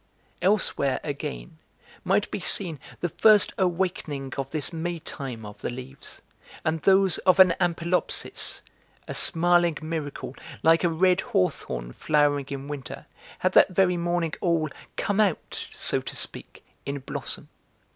Elsewhere, again, might be seen the first awakening of this Maytime of the leaves, and those of an ampelopsis, a smiling miracle, like a red hawthorn flowering in winter, had that very morning all 'come out,' so to speak, in blossom.